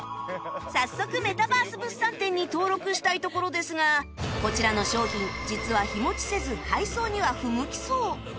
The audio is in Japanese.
早速メタバース物産展に登録したいところですがこちらの商品実は日持ちせず配送には不向きそう